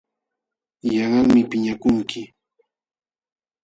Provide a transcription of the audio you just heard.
Yanqalmi piñakunki.